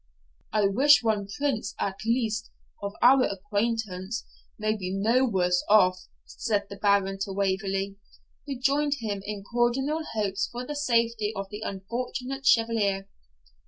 'I wish one Prince, at least, of our acquaintance may be no worse off,' said the Baron to Waverley, who joined him in cordial hopes for the safety of the unfortunate Chevalier.